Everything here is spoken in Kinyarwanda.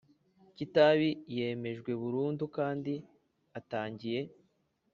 Kitabi yemejwe burundu kandi atangiye